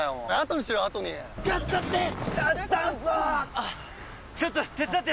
あっちょっと手伝って！